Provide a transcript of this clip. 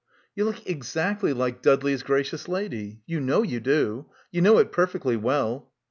"You look exactly like Dudley's gracious lady. You know you do. You know it perfectly well."